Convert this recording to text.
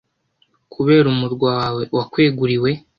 kubera umurwa wawe wakweguriwe